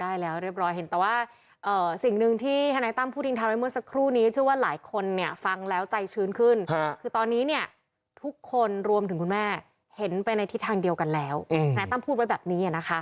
ได้แล้วเรียบร้อยเห็นแต่ว่าสิ่งหนึ่งที่ธนายตั้มพูดทิ้งท้ายไว้เมื่อสักครู่นี้เชื่อว่าหลายคนเนี่ยฟังแล้วใจชื้นขึ้นคือตอนนี้เนี่ยทุกคนรวมถึงคุณแม่เห็นไปในทิศทางเดียวกันแล้วทนายตั้มพูดไว้แบบนี้นะคะ